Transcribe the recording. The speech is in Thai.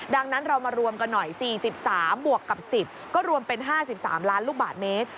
ดังนั้นเรามารวมกันหน่อย๔๓บวกกับ๑๐ก็รวมเป็น๕๓ล้านลูกบาทเมตร